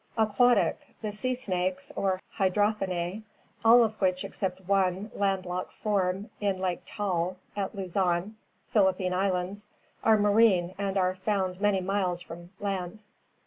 Aquatic: the sea snakes or Hydrophinae, all of which except one land locked form in Lake Taal at Luzon, Philippine Islands, are marine and are found many miles from land.